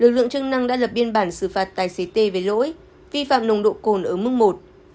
lực lượng chức năng đã lập biên bản xử phạt tài xế tê về lỗi vi phạm nồng độ cồn ở mức một